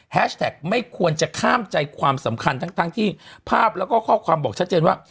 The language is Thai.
แท็กไม่ควรจะข้ามใจความสำคัญทั้งที่ภาพแล้วก็ข้อความบอกชัดเจนว่า